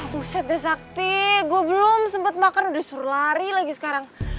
buset deh sakti gua belum sempet makan udah disuruh lari lagi sekarang